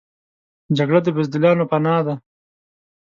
جګړه د بزدلانو پناه ده